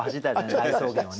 大草原をね。